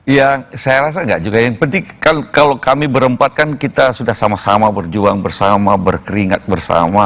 ya saya rasa enggak juga yang penting kalau kami berempat kan kita sudah sama sama berjuang bersama berkeringat bersama